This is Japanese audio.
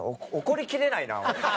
怒りきれないなおい。